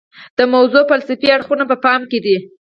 د موضوع فلسفي اړخونه په پام کې دي.